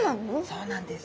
そうなんです。